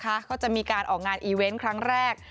เขาจะมีการออกงานอีเวนต์ครั้งแรก